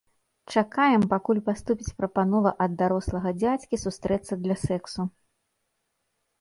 Чакаем, пакуль паступіць прапанова ад дарослага дзядзькі сустрэцца для сэксу.